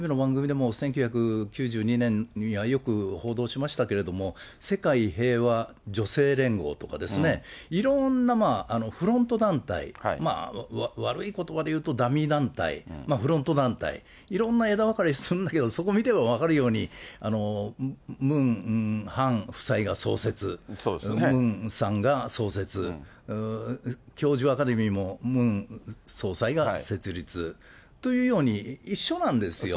それから日本テレビの番組でも、１９９２年にはよく報道しましたけれども、世界平和女性連合とかですね、いろんなフロント団体、悪いことばで言うとダミー団体、フロント団体、いろんな枝分かれするんだけれども、そこ見てれば分かるように、ムン・ハン夫妻が創設、ムンさんが創設、教授アカデミーもムン総裁が設立というように、一緒なんですよ。